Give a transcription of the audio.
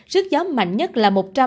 sức gió mạnh nhất là